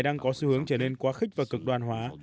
đang có xu hướng trở nên quá khích và cực đoan hóa